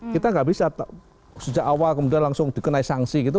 kita nggak bisa sejak awal kemudian langsung dikenai sanksi gitu